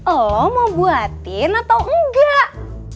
oh mau buatin atau enggak